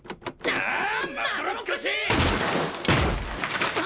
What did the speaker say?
ああ。